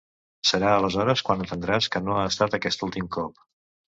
Serà aleshores quan entendràs que no ha estat aquest últim colp.